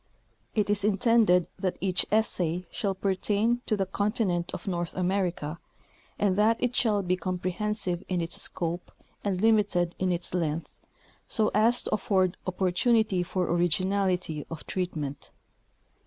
It is intended that each essay shall pertain to the continent of North America, and that it shall be comprehensive in its scope and limited in its length, so as to afford opportunity for originality of treatment.